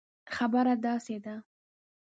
خبره داسي ده